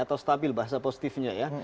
atau stabil bahasa positifnya ya